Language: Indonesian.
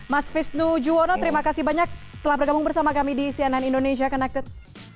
mas visnu juwono terima kasih banyak telah bergabung bersama kami di cnn indonesia connected